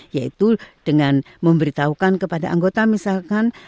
yaitu dengan memberitahukan kepada anggota misalkan